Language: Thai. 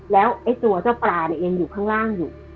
แล้วไอ้ตัวเจ้าปลาเนี่ยยังอยู่ข้างล่างอยู่